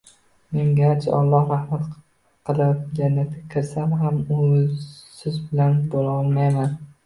Men garchi Alloh rahmat qilib jannatga kirsam ham siz bilan bo‘la olmayman